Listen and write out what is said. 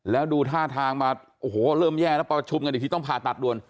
แล้วดูท่าทางมาโอ้โหเริ่มแย่แล้วประชุมกันอีกทีต้องผ่าตัดด่วน